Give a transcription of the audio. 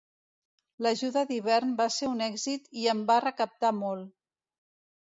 L'ajuda d'hivern va ser un èxit i en va recaptar molt.